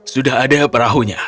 sudah ada perahunya